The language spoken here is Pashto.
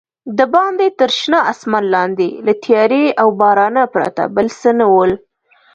دباندې تر شنه اسمان لاندې له تیارې او بارانه پرته بل څه نه ول.